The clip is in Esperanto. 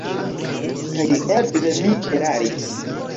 Kaj eble mi eraris!